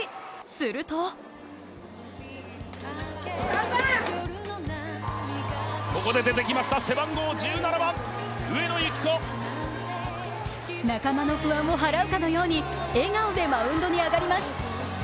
すると仲間の不安を払うかのように笑顔でマウンドに上がります。